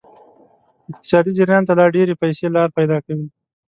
اقتصادي جریان ته لا ډیرې پیسې لار پیدا کوي.